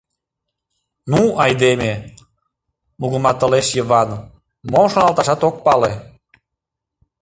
Ну, айдеме... — мугыматылеш Йыван, мом шоналташат ок пале.